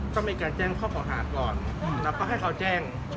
ก็มีการแจ้งครอบครัวหาก่อนแล้วก็ให้เขาแจ้ง